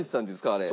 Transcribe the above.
あれ。